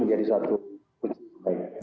menjadi satu kunci